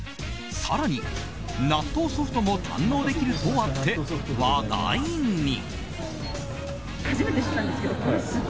更に、納豆ソフトも堪能できるとあって話題に。